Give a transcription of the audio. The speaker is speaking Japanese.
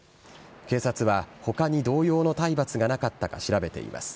警察は他に同様の体罰がなかったか調べています。